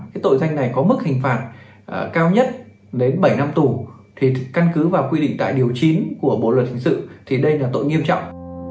cái tội danh này có mức hình phạt cao nhất đến bảy năm tù thì căn cứ vào quy định tại điều chín của bộ luật hình sự thì đây là tội nghiêm trọng